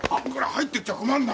入ってきちゃ困るんだ。